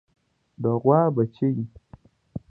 د غوا بچۍ